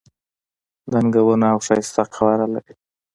دنګه ونه او ښایسته قواره لري.